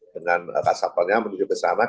dengan pasapannya menuju ke sana kita